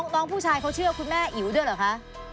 น้องผู้ชายเขาเชื่อคุณแม่อิ๋วด้วยเหรอคะ